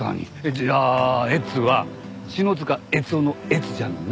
じゃあ「えつ」は篠塚悦雄の「えつ」じゃない？